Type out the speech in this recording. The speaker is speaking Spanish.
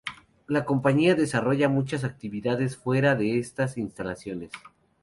La compañía desarrolla muchas de sus actividades fuera de estas instalaciones.